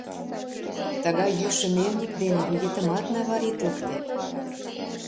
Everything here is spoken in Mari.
Тыгай йӱшӧ мельник дене вуетымат наваритлыктет.